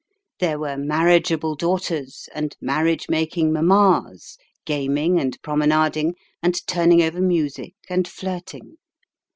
There were marriageable daughters, and marriage making mammas, gaming and promenading, and turning over music, and flirting.